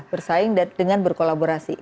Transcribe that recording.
bersaing dengan berkolaborasi